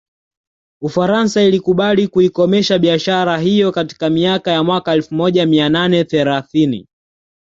Ufaransa ilikubali kuikomesha biashara hiyo katika miaka ya mwaka elfu moja mia nane thelathini